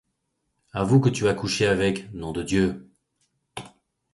Avoue que tu as couché avec, nom de Dieu!